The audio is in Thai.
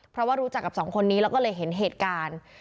เพราะว่ารู้จักกับสองคนนี้แล้วก็เลยเห็นเหตุการณ์